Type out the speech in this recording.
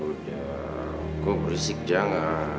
udah kok berisik jangan